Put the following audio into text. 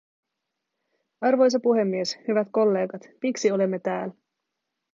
Arvoisa puhemies, hyvät kollegat, miksi olemme täällä?